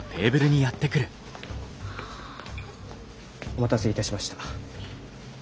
お待たせいたしました。